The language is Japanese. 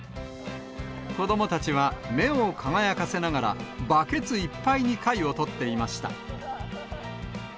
子どもたちは目を輝かせながら、バケツいっぱいに貝を取っていました。